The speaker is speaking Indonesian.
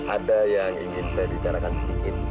ada yang ingin saya bicarakan sedikit